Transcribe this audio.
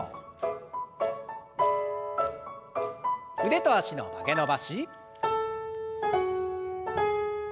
腕と脚の曲げ伸ばし。